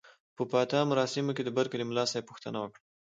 په پاتا مراسمو کې د برکلي ملاصاحب پوښتنه وکړه.